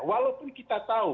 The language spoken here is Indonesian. walaupun kita tahu